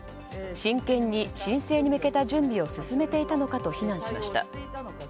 真剣に申請に向けた準備を進めていたのかと非難しました。